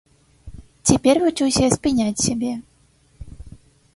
Цяпер вучуся спыняць сябе.